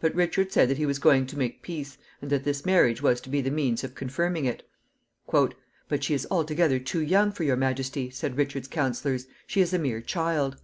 But Richard said that he was going to make peace, and that this marriage was to be the means of confirming it. "But she is altogether too young for your majesty," said Richard's counselors. "She is a mere child."